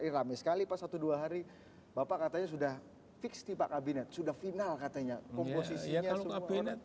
rame sekali pak satu dua hari bapak katanya sudah fix nih pak kabinet sudah final katanya komposisinya semua